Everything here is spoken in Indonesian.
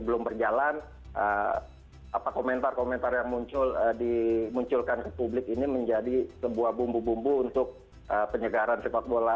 belum berjalan apa komentar komentar yang muncul dimunculkan ke publik ini menjadi sebuah bumbu bumbu untuk penyegaran sepak bola